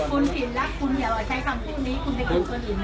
คุณผิดหลักคุณอย่าใช้คำชื่อนี้